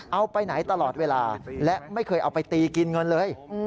เอาไปไหนตลอดเวลาและไม่เคยเอาไปตีกินเงินเลย